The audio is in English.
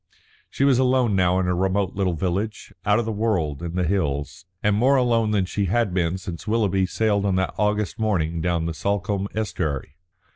She was alone now in her remote little village, out of the world in the hills, and more alone than she had been since Willoughby sailed on that August morning down the Salcombe estuary.